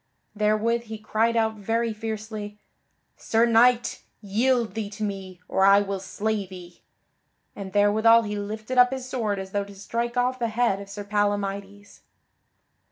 Therewith he cried out very fiercely: "Sir Knight, yield thee to me, or I will slay thee." And therewithal he lifted up his sword as though to strike off the head of Sir Palamydes.